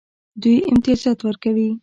دوی امتیازات ورکوي.